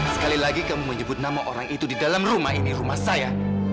sekali lagi kamu menyebut nama orang itu di dalam rumah ini rumah saya